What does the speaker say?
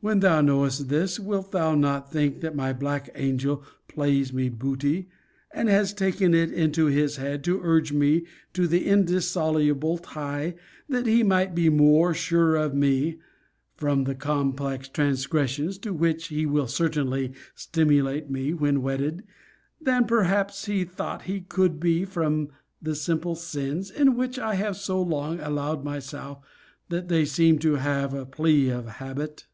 When thou knowest this, wilt thou not think that my black angel plays me booty, and has taken it into his head to urge me on to the indissoluble tie, that he might be more sure of me (from the complex transgressions to which he will certainly stimulate me, when wedded) than perhaps he thought he could be from the simple sins, in which I have so long allowed myself, that they seem to have the plea of habit?